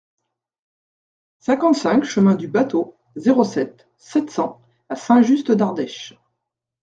cinquante-cinq chemin du Bâteau, zéro sept, sept cents à Saint-Just-d'Ardèche